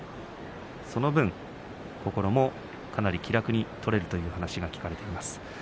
その分、心もかなり気楽に取れるという話が聞かれています。